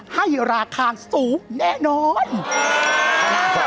ให้ราคาสูงแน่นอน